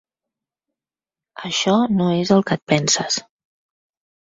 Això no és el que et penses.